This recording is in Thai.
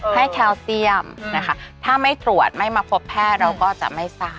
แคลเซียมนะคะถ้าไม่ตรวจไม่มาพบแพทย์เราก็จะไม่ทราบ